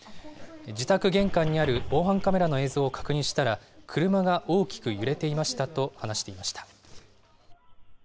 自宅玄関にある防犯カメラの映像を確認したら、車が大きく揺れていましたと話していました。